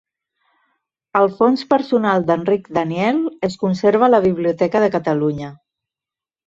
El fons personal d'Enric Daniel es conserva a la Biblioteca de Catalunya.